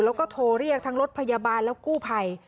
แล้วก็โทรเรียกทั้งรถพยาบาลและกู้ภัย